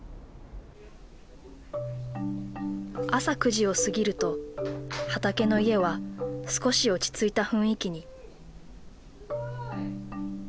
朝９時を過ぎるとはたけのいえは少し落ち着いた雰囲気に。